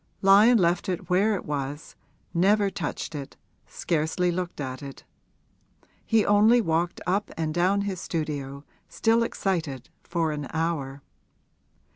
Lyon left it where it was, never touched it, scarcely looked at it; he only walked up and down his studio, still excited, for an hour.